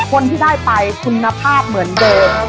คนที่ได้ไปคุณภาพเหมือนเดิม